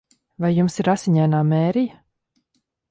Vai jums ir Asiņainā Mērija?